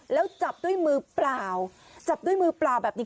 แล้วจับด้วยมือเปล่าจับด้วยมือเปล่าแบบนี้